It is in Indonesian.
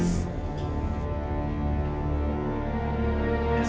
saya terima nikah dan kawinanmu